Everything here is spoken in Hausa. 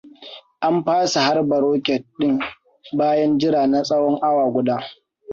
An fasa harba rocket din bayan jira na tsawon awa guda.